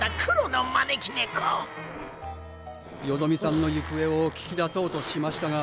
よどみさんのゆくえを聞き出そうとしましたが。